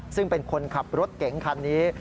ซึ่งเป็นคนขับรถเก๋งคันนี้